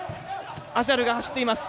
アジャルが走っています。